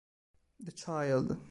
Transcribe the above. The Child